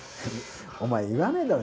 お前言わねえだろ